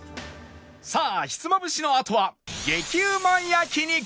さあひつまぶしのあとは激うま焼肉